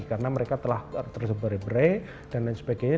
karena mereka telah terseber bere dan lain sebagainya